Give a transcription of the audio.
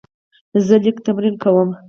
زه لیک تمرین کوم.